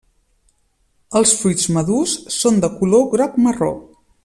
Els fruits madurs són de color groc-marró.